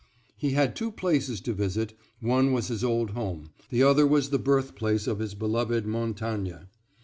He had two places to visit, one was his old home, the other was the birthplace of his beloved Montaigne.